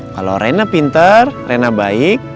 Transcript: kalau reina pintar reina baik